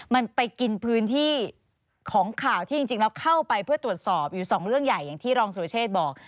มันไปกินพื้นที่ของข่าวที่จริงแล้วเข้าไปเพื่อตรวจสอบอยู่สองเรื่องใหญ่อย่างที่รองสุรเชษฐ์บอก